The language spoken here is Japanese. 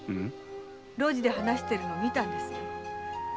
路地で話してるのを見たんですよ。